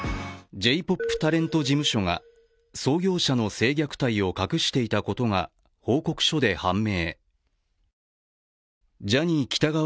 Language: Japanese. Ｊポップタレント事務所が創業者の惺虐待を隠していたことが報告書で判明。